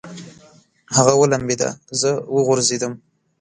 هغه ولمبېده، زه وغورځېدم.